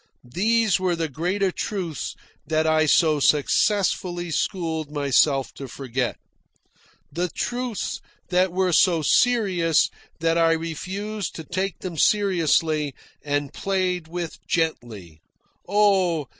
These were the greater truths that I so successfully schooled myself to forget; the truths that were so serious that I refused to take them seriously, and played with gently, oh!